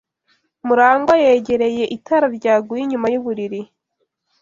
MuragwA yegereye itara ryaguye inyuma yuburiri.